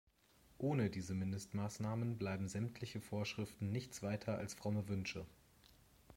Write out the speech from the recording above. Ohne diese Mindestmaßnahmen bleiben sämtliche Vorschriften nichts weiter als fromme Wünsche.